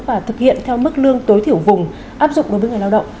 và thực hiện theo mức lương tối thiểu vùng áp dụng đối với người lao động